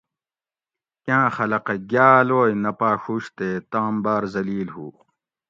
کاۤں خلقہ گاۤلوئے نہ پاۤڛوش تے تام باۤر زلیل ہُو